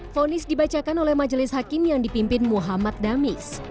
fonis dibacakan oleh majelis hakim yang dipimpin muhammad damis